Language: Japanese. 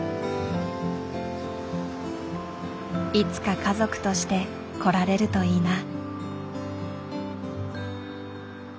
いつか家族として来られるといいな。